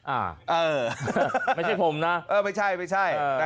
อ่าไม่ใช่ผมนะเออไม่ใช่นะฮะ